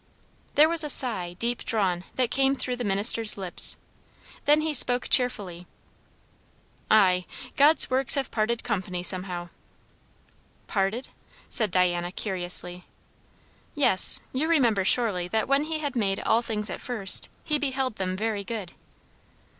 There was a sigh, deep drawn, that came through the minister's lips; then he spoke cheerfully "Ay, God's works have parted company somehow." "Parted ?" said Diana curiously. "Yes. You remember surely that when he had made all things at first, he beheld them very good."